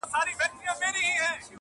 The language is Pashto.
o د ورور و غاړي ته چاړه دي کړمه,